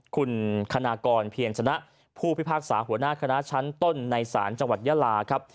คุณคณากรเพียรชนะผู้พิพากษาหัวหน้าคณะชั้นต้นในศาลจังหวัดยาลาครับ